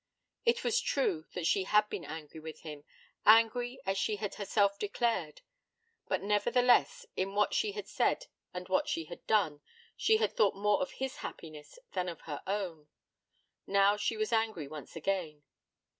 It was true that she had been angry with him angry, as she had herself declared; but nevertheless, in what she had said and what she had done, she had thought more of his happiness than of her own. Now she was angry once again.